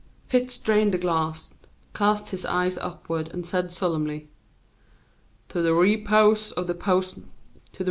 Fitz drained the glass, cast his eyes upward, and said solemnly, "To the repose of the postmaster's soul."